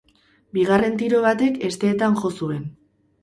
Bigarren tiro batek hesteetan jo zuen.